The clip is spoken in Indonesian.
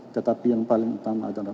tetapi yang paling utama adalah